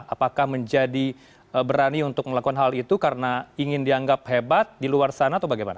apakah menjadi berani untuk melakukan hal itu karena ingin dianggap hebat di luar sana atau bagaimana